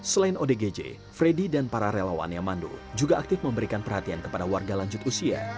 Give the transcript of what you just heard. selain odgj freddy dan para relawan yamando juga aktif memberikan perhatian kepada warga lanjut usia